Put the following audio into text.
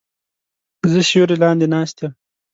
زه سیوری لاندې ناست یم